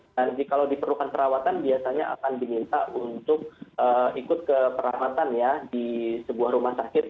nanti kalau diperlukan perawatan biasanya akan diminta untuk ikut ke perawatan ya di sebuah rumah sakit